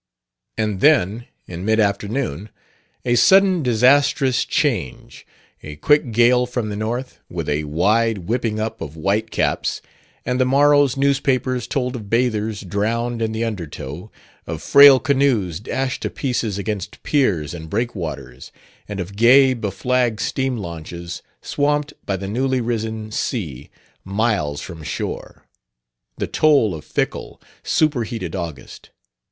And then, in mid afternoon, a sudden disastrous change; a quick gale from the north, with a wide whipping up of white caps; and the morrow's newspapers told of bathers drowned in the undertow, of frail canoes dashed to pieces against piers and breakwaters, and of gay, beflagged steam launches swamped by the newly risen sea miles from shore: the toll of fickle, superheated August.